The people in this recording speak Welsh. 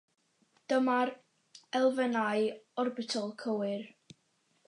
Dyma'r elfennau orbitol cywir.